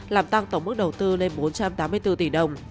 làm tăng tổng mức đầu tư lên bốn trăm tám mươi bốn tỷ đồng